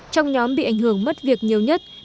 trong nhóm bị ảnh hưởng mất việc nhiều nhất